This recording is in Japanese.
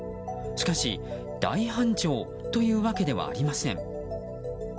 しかし、大繁盛というわけではありません。